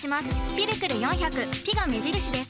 「ピルクル４００」「ピ」が目印です。